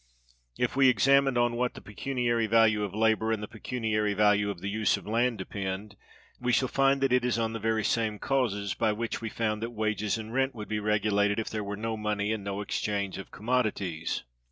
If we examine on what the pecuniary value of labor and the pecuniary value of the use of land depend, we shall find that it is on the very same causes by which we found that wages and rent would be regulated if there were no money and no exchange of commodities.